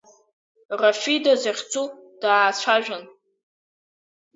Рафида захьӡу даацәажәан…